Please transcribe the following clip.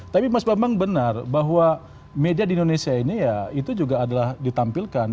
tapi mas bambang benar bahwa media di indonesia ini ya itu juga adalah ditampilkan